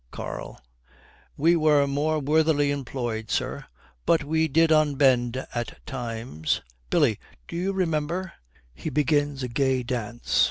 KARL. 'We were more worthily employed, sir, but we did unbend at times. Billy, do you remember ' He begins a gay dance.